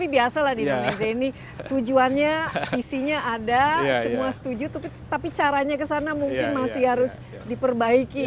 biasalah di indonesia ini tujuannya visinya ada semua setuju tapi caranya kesana mungkin masih harus diperbaiki